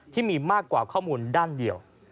ที่มีมากกว่าข้อมูลด้านเดียว